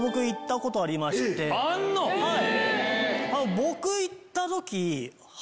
僕行った時。